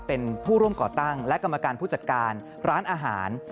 เป็นผู้ร่วมก่อตั้งและกรรมการผู้จัดการร้านอาหาร